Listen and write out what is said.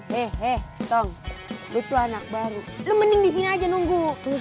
hehehe dong betul anak baru lu mending disini aja nunggu